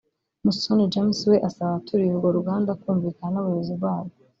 Musoni James we asaba abaturiye urwo ruganda kumvikana n’abayobozi barwo